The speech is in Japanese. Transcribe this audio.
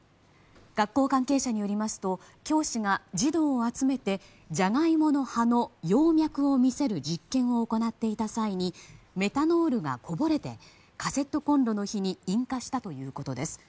学校関係者によりますと教師が児童を集めてジャガイモの葉の葉脈を見せる実験を行っていた際にメタノールがこぼれてカセットコンロの火に引火したということです。